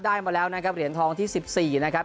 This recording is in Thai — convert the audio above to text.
มาแล้วนะครับเหรียญทองที่๑๔นะครับ